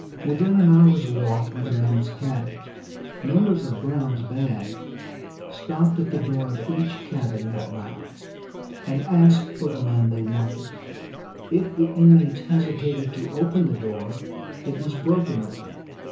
Within an hour's walk were the men's cabins. Members of Brown's band stopped at the door of each cabin that night, and asked for the men they wanted. If the inmates hesitated to open the door it was broken open.